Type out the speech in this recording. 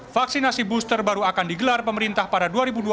vaksinasi booster baru akan digelar pemerintah pada dua ribu dua puluh